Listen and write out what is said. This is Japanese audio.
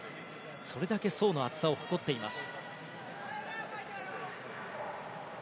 それだけ層の厚さを誇っています。